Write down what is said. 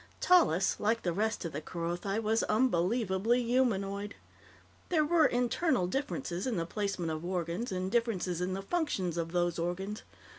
Tallis, like the rest of the Kerothi, was unbelievably humanoid. There were internal differences in the placement of organs, and differences in the functions of those organs.